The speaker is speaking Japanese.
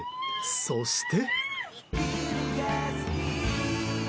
そして。